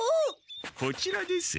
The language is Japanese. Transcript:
こちらです。